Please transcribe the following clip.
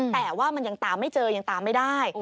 แต่ว่ามันยังตามไม่เจอยังตามไม่ได้